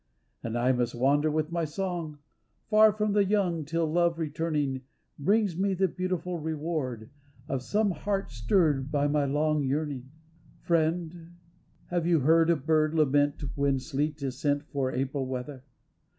" And I must wander with my song Far from the young till Love returning, Brings me the beautiful reward Of some heart stirred by my long yearning.") Friend, have you heard a bird lament When sleet is sent for April weather?